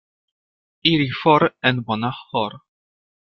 Iri for en bona hor'.